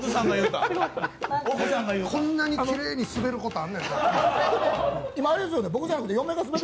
こんなにきれいにスベることあるんやな。